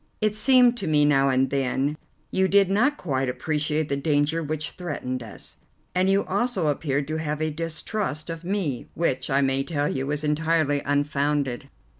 It seemed to me now and then you did not quite appreciate the danger which threatened us, and you also appeared to have a distrust of me, which, I may tell you, was entirely unfounded."